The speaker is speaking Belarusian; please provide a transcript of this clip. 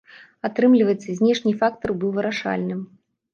Атрымліваецца, знешні фактар быў вырашальным.